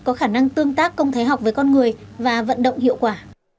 có khả năng tương tác công thái học với con người và vận động hiệu quả